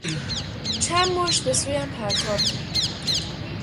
چند مشت به سویم پرتاب کرد.